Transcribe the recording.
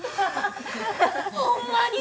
ほんまに？